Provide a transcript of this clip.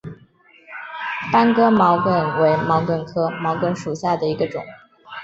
班戈毛茛为毛茛科毛茛属下的一个种。